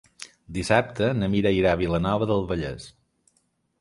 Dissabte na Mira irà a Vilanova del Vallès.